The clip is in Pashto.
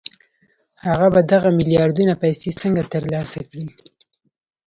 هغه به دغه ميلياردونه پيسې څنګه ترلاسه کړي؟